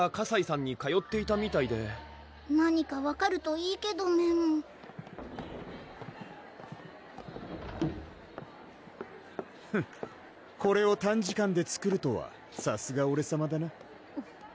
ＫＡＳＡＩさんに通っていたみたいで何か分かるといいけどメンフッこれを短時間で作るとはさすがオレさまだな